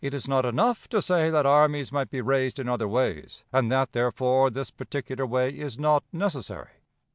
It is not enough to say that armies might be raised in other ways, and that, therefore, this particular way is not 'necessary.'